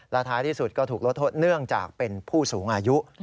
และท้ายที่สุดก็ถูกลดโทษเนื่องจากเป็นผู้สูงอายุ